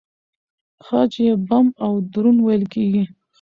خج يې بم او دروند وېل کېږي.